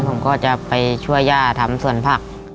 ผมก็จะไปช่วยย่าทำส่วนผัก